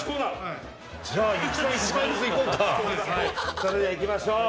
それではいきましょう。